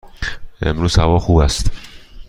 امروز هوا خوب است.